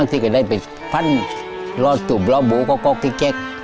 ที่ก็ได้ไปพันธุ์รอสูบรอบูก็ก็กิ๊กแก๊ก